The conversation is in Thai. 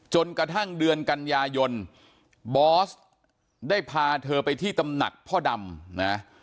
จนกระทั่งเดือนกันยายนบอสได้พาเธอไปที่ตำหนักพ่อดำนะ